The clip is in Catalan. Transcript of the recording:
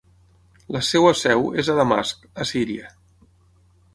La seva seu és a Damasc, a Síria.